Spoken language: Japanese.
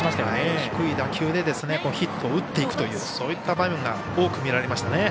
低い打球でヒットに持っていくというそういった場面が多く見られましたね。